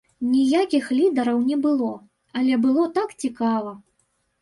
Ніякіх лідараў не было, але было так цікава!